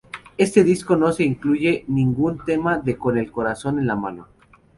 Este disco no se incluye ningún tema de Con el Corazón en la Mano.